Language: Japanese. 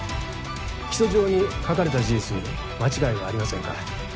起訴状に書かれた事実に間違いはありませんか？